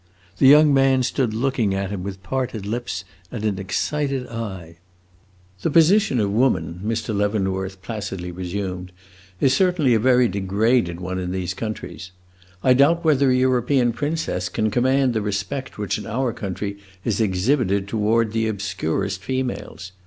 The young man stood looking at him with parted lips and an excited eye. "The position of woman," Mr. Leavenworth placidly resumed, "is certainly a very degraded one in these countries. I doubt whether a European princess can command the respect which in our country is exhibited toward the obscurest females.